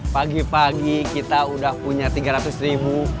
pagi pagi kita udah punya tiga ratus ribu